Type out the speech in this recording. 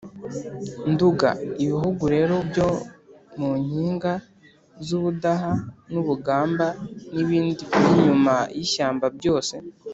nduga. ibihugu rero byo mu nkiga z’ibudaha n’ubugamba, n’ibindi by’inyuma y’ishyamba byose,